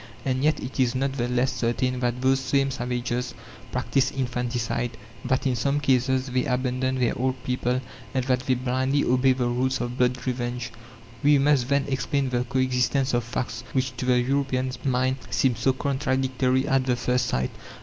And yet it is not the less certain that those same savages practise infanticide; that in some cases they abandon their old people, and that they blindly obey the rules of blood revenge. We must then explain the coexistence of facts which, to the European mind, seem so contradictory at the first sight.